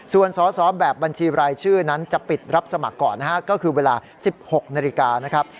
ส่วนสอสอแบบบัญชีรายชื่อนั้นจะปิดรับสมัครก่อนนะฮะก็คือเวลา๑๖นาฬิกานะครับ